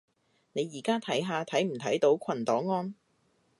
你而家睇下睇唔睇到群檔案